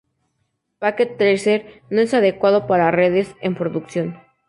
Packet Tracer no es adecuado para redes en producción.